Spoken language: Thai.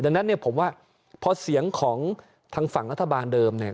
ดังนั้นเนี่ยผมว่าพอเสียงของทางฝั่งรัฐบาลเดิมเนี่ย